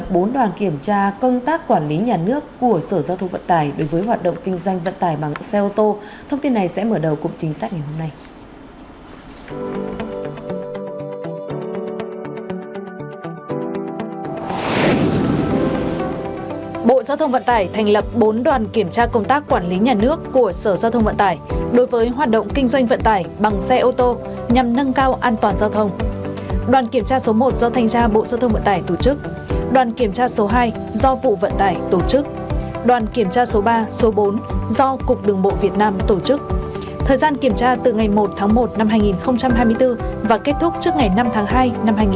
bộ giao thông vận tải sẽ thành lập bốn đoàn kiểm tra công tác quản lý nhà nước của sở giao thông vận tải